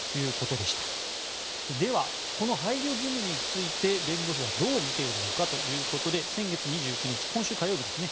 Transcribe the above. では、この配慮義務について弁護士はどう見ているのかということで先月２９日、今週火曜日ですね。